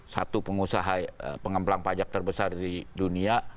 satu pengusaha pengemplang pajak terbesar di dunia